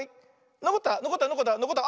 のこったのこったのこったのこった。